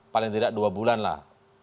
paling tidak dua bulan lah